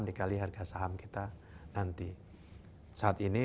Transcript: dikali harga saham kita nanti saat ini